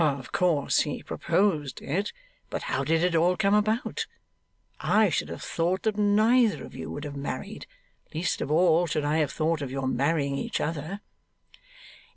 'Of course he proposed it, but how did it all come about? I should have thought that neither of you would have married; least of all should I have thought of your marrying each other.